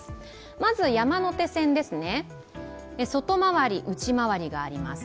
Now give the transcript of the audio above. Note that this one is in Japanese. まず山手線は外回り、内回りがあります。